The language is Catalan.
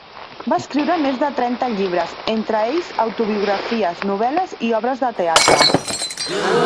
Va escriure més de trenta llibres, entre ells autobiografies, novel·les i obres de teatre.